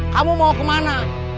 kamu mau kemana